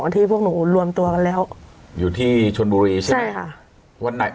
ที่พวกหนูรวมตัวกันแล้วอยู่ที่ชนบุรีใช่ไหมใช่ค่ะวันไหน